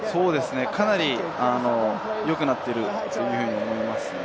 かなりよくなっていると思います。